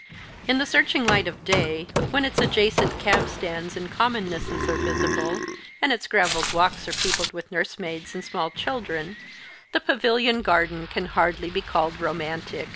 In the searching light of day, when its adjacent cab stands and commonnesses are visible, and its gravelled walks are peopled with nursemaids and small children, the Pavilion garden can hardly be called romantic.